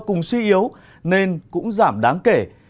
cùng suy yếu nên cũng giảm đáng kể